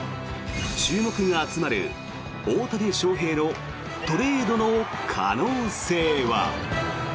注目が集まる大谷翔平のトレードの可能性は。